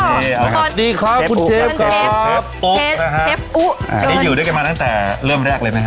สวัสดีครับคุณเจฟก็ปุ๊บน่ะครับเซ็ปโอ้อันนี้อยู่ด้วยกันมาตั้งแต่เริ่มแรกเลยไหมฮะ